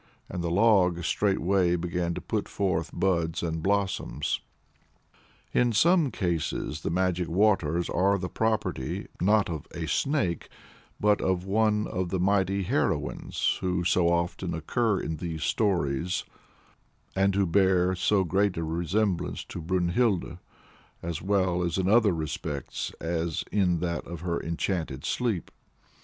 And the log straightway began to put forth buds and blossoms. In some cases the magic waters are the property, not of a Snake, but of one of the mighty heroines who so often occur in these stories, and who bear so great a resemblance to Brynhild, as well in other respects as in that of her enchanted sleep.